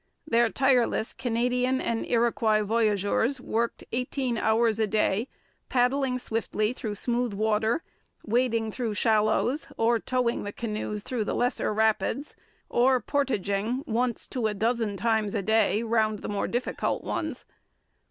Their tireless Canadian and Iroquois voyageurs worked eighteen hours a day, paddling swiftly through smooth water, wading through shallows, or towing the canoes through the lesser rapids, or portaging once to a dozen times a day round the more difficult ones.